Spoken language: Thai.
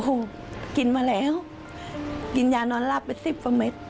โอ้โฮกินมาแล้วกินยานอนรับไป๑๐ประเมตร